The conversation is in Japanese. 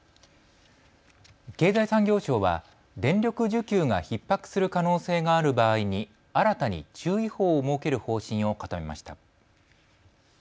経済産業省は電力需給がひっ迫する可能性がある場合に新たに注意報を設ける方針を固めました。